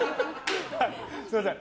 すみません。